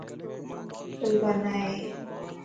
ڦل بنائي